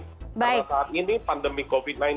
karena saat ini pandemi covid sembilan belas